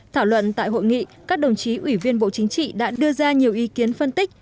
thảo luận tại hội nghị các đồng chí ủy viên bộ chính trị đã đưa ra nhiều ý kiến phân tích